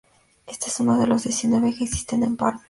Este es uno de los diecinueve que existen en Palma.